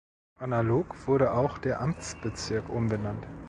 Analog wurde auch der Amtsbezirk umbenannt.